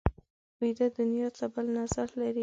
ویده دنیا ته بل نظر لري